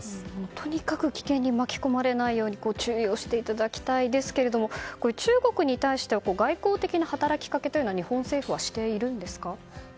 とにかく危険に巻き込まれないように注意をしていただきたいですが中国に対して外交的な働きかけは日本政府はしているんですか？